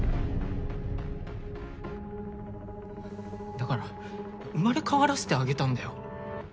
だから生まれ変わらせてあげたんだよ。